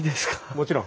もちろん。